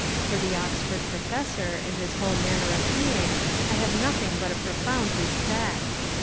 For the Oxford professor and his whole manner of being I have nothing but a profound respect.